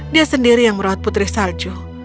dia sendiri yang merawat putri salju